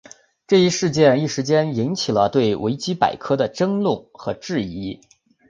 这一事件一时间引起了对维基百科的争论和质疑。